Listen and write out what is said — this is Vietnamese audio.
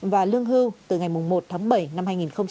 và lương hưu từ ngày một tháng bảy năm hai nghìn hai mươi